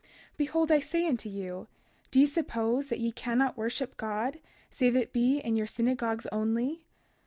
32:10 Behold I say unto you, do ye suppose that ye cannot worship God save it be in your synagogues only?